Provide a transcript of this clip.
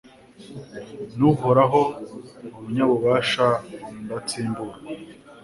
Ni Uhoraho Umunyabubasha Umudatsimburwa